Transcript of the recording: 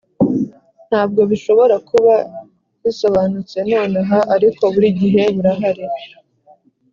ntabwo bishobora kuba bisobanutse nonaha, ariko burigihe burahari.